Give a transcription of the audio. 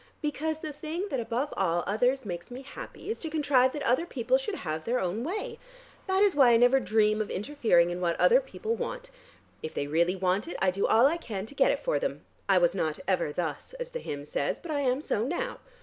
Because the thing that above all others makes me happy is to contrive that other people should have their own way. That is why I never dream of interfering in what other people want. If they really want it, I do all I can to get it for them. I was not ever thus, as the hymn says, but I am so now.